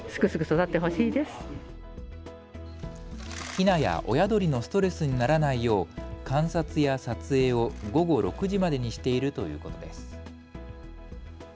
ヒナや親鳥のストレスにならないよう観察や撮影を午後６時までにしているということです。